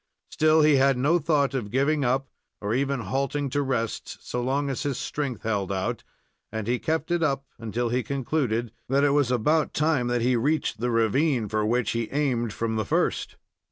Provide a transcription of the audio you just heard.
Still, he had no thought of giving up, or even halting to rest, so long as his strength held out, and he kept it up until he concluded that it was about time that he reached the ravine for which he aimed from the first.